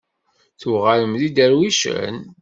Tuɣalem d iderwicen?